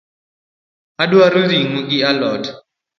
Adwaro ring’o gi a lot